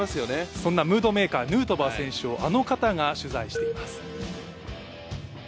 そんなムードメーカー、ヌートバー選手をあの方が取材しています。